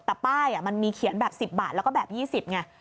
แต่ป้ายมันมีเขียนแบบ๑๐บาทแล้วก็แบบ๒๐ไง